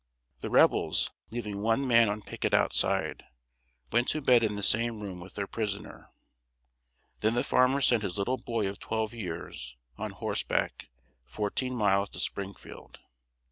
The Rebels, leaving one man on picket outside, went to bed in the same room with their prisoner. Then the farmer sent his little boy of twelve years, on horseback, fourteen miles to Springfield.